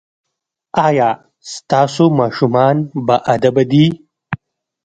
ایا ستاسو ماشومان باادبه دي؟